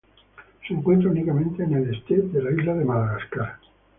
Se encuentra únicamente en el este de la isla de Madagascar.